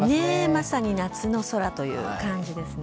まさに夏の空という感じですね。